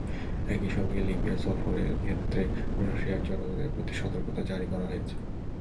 একই সঙ্গে লিবিয়া সফরের ক্ষেত্রে রাশিয়ার জনগণের প্রতি সতর্কতা জারি করা হয়েছে।